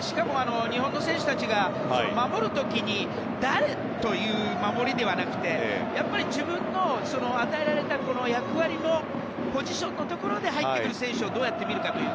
しかも日本の選手たちが守る時誰？という守りではなくて自分の与えられた役割のポジションのところで入ってくる選手をどう見るかという。